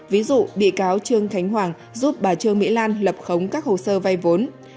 ví dụ bị cáo trương thánh hoàng giúp bà trương mỹ lan lập khống các hồ sơ vay vốn